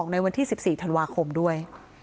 ในวันที่๑๔ธันวาคมด้วย